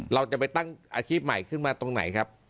เราจะไปตั้งอาชีพใหม่ขึ้นมาตรงไหนครับ